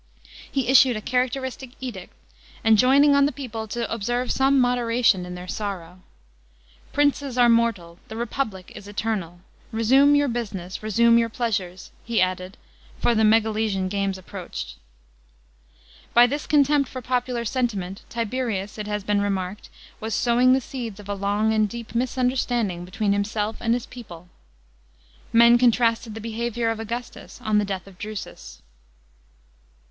He issued a characteristic edict, enjoining on the people to observe some moderation in their sorrow. " Princes are mortal, the republic is eternal. Resume your business ; resume your pleasures "—be added, for the Megalesian games approached. 180 THE PBINCIPATE OF TIBERIUS. CHAP. xn. By this contempt for popular sentiment Tiberius, it has been remarked, was " sowing the seeds of a long and deep misunder standing between himself and his people." Men contrasted the behaviour of Augustus on the death of Drusus.